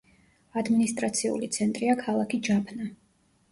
ადმინისტრაციული ცენტრია ქალაქი ჯაფნა.